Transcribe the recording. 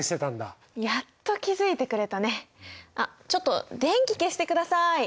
あっちょっと電気消してください。